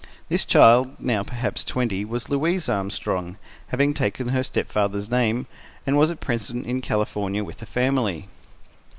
This child, now perhaps twenty, was Louise Armstrong, having taken her stepfather's name, and was at present in California with the family.